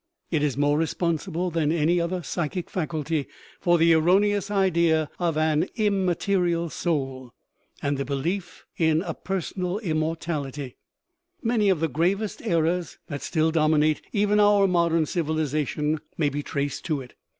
It is more re sponsible than any other psychic faculty for the erro neous idea of an " immaterial soul " and the belief in " personal immortality "; many of the gravest errors that still dominate even our modern civilization may be traced to it.